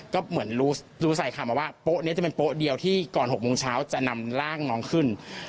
ก็เหมือนรู้สายข่าวมาว่าโป๊ะนี้จะเป็นโป๊ะเดียวที่ก่อน๖โมงเช้าจะนำร่างน้องขึ้น